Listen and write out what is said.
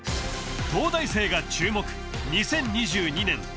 東大生が注目２０２２年